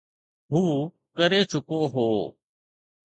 هو ڪري چڪو هو.